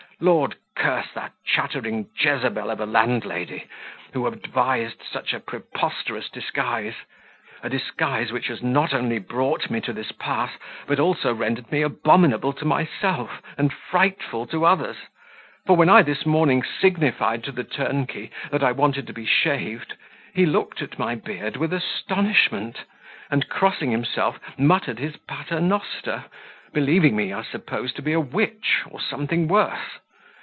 Lord curse that chattering Jezebel of a landlady, who advised such a preposterous disguise! a disguise which has not only brought me to this pass, but also rendered me abominable to myself, and frightful to others; for when I this morning signified to the turnkey that I wanted to be shaved, he looked at my beard with astonishment, and, crossing himself, muttered his Pater Noster, believing me, I suppose, to be a witch, or something worse.